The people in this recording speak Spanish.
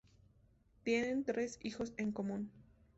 Tienen tres hijos en común.